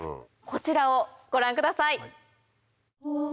こちらをご覧ください。